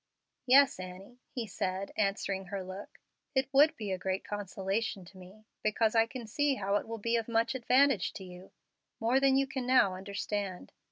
"Yes, Annie," he said, answering her look, "it would be a great consolation to me, because I can see how it will be of much advantage to you more than you can now understand.